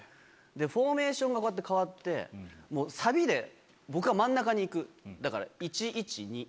フォーメーションがこうやって変わってもうサビで僕が真ん中に行くだから１１２。